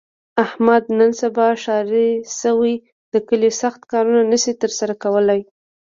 احمد نن سبا ښاري شوی، د کلي سخت کارونه نشي تر سره کولی.